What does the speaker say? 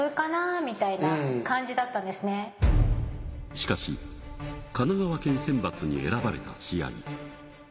しかし、神奈川県選抜に選ばれた試合。